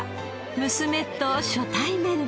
娘と初対面です。